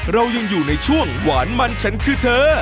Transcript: เรายังอยู่ในช่วงหวานมันฉันคือเธอ